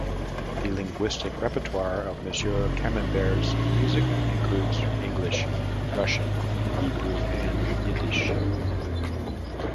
The linguistic repertoire of Monsieur Camembert's music includes English, Russian, Hebrew and Yiddish.